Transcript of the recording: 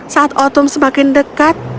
saat othum semakin dekat